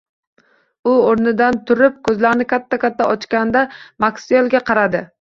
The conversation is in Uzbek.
U o`rnidan turib, ko`zlarini katta-katta ochgancha Maksuelga qaradi